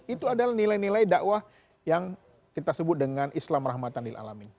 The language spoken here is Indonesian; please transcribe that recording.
itu adalah nilai nilai dakwah yang kita sebut dengan islam rahmatanil alamin